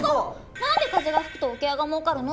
何で風が吹くと桶屋が儲かるの？